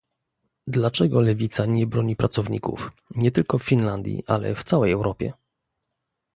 Dlaczego lewica nie broni pracowników, nie tylko w Finlandii, ale w całej Europie?